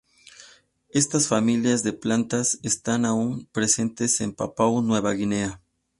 Estas familias de plantas están aún presentes en Papúa Nueva Guinea.